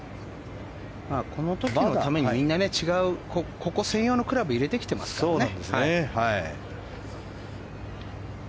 この時のために、みんなここ専用のクラブを入れてきてますからね。